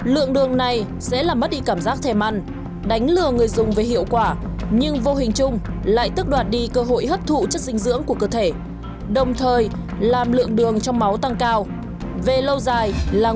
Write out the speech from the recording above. lượng đường này sẽ làm mất đi cảm giác thèm ăn đánh lừa người dùng với hiệu quả nhưng vô hình chung lại tức đoạt đi cơ hội hấp thụ chất dinh dưỡng của cơ thể đồng thời làm lượng đường trong máu tăng cao về lâu dài là nguyên nhân gây ra bệnh tiểu đường